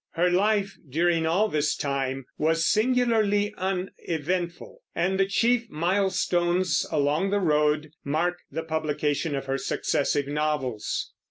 Her life during all this time was singularly uneventful, and the chief milestones along the road mark the publication of her successive novels.